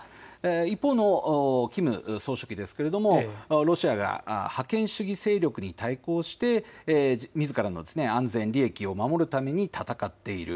一方のキム総書記ですがロシアが覇権主義勢力に対抗してみずからの安全、利益を守るために戦っている。